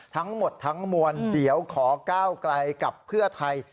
ทั้งหมดทั้งมวลเดี๋ยวขอก้าวไกลกับเพื่อไทย